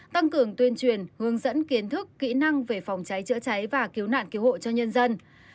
tăng cường tuyên truyền hướng dẫn kiến thức kỹ năng về phòng cháy chữa cháy và cứu nạn cứu hộ cho nhân dân